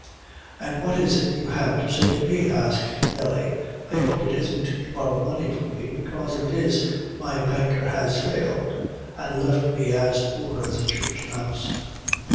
"An' what is it you have to say to me?" asked Nelly; "I hope it isn't to borrow money from me, bekase if it is, my banker has failed, an' left me as poor as a church mouse."